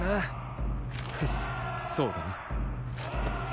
フッそうだな。